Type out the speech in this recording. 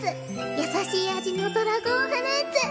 やさしい味のドラゴンフルーツ。